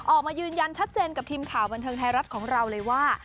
ออกมายืนยันชัดเจนกับทีมข่าวบันเทิงไทยรัฐของเราเลยว่า